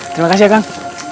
terima kasih kang